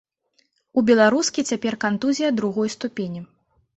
У беларускі цяпер кантузія другой ступені.